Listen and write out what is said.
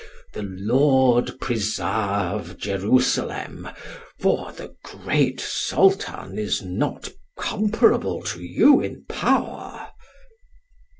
The Lord preserve Jerusalem; for the great Soldan is not comparable to you in power.